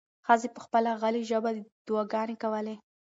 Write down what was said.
ښځې په خپله غلې ژبه دعاګانې کولې.